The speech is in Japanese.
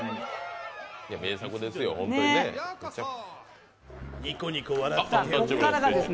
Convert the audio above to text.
名作ですよ、ホントにね。